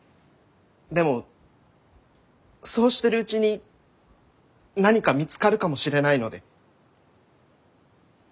でもそうしてるうちに何か見つかるかもしれないので。